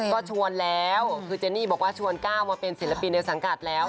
ก็ชวนแล้วคือเจนี่บอกว่าชวนก้าวมาเป็นศิลปินในสังกัดแล้ว